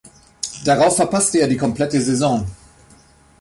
Darauf verpasste er die komplette Saison.